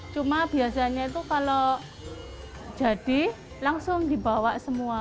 cuma biasanya itu kalau jadi langsung dibawa semua